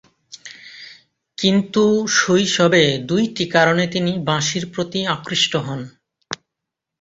কিন্তু শৈশবে দুইটি কারণে তিনি বাঁশির প্রতি আকৃষ্ট হন।